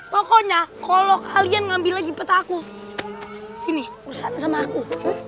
pokoknya kalau kalian ngambil lagi petaku sini uruskan sama aku